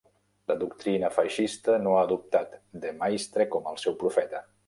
La doctrina feixista no ha adoptat De Maistre com al seu profeta.